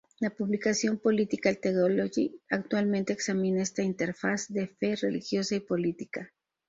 La publicación "Political Theology" actualmente examina esta interfaz de fe religiosa y política.